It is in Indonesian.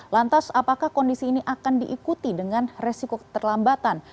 lantas apakah kondisi ini akan diikuti dengan resiko keterlambatan